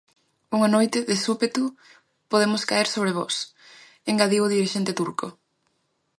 "Unha noite, de súpeto, podemos caer sobre vós", engadiu o dirixente turco.